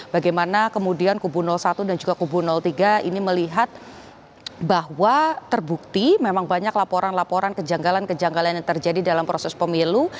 bagaimana kemudian kubu satu dan juga kubu tiga ini melihat bahwa terbukti memang banyak laporan laporan kejanggalan kejanggalan yang terjadi dalam proses pemilu